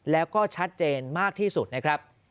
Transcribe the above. แล้วก็ชัดเจนมากที่สุดนะครับ